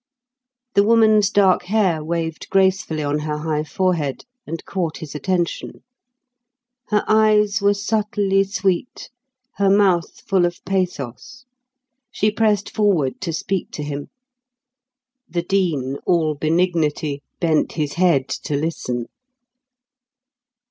The woman's dark hair waved gracefully on her high forehead, and caught his attention. Her eyes were subtly sweet, her mouth full of pathos. She pressed forward to speak to him; the Dean, all benignity, bent his head to listen.